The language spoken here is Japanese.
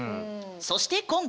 そして今回！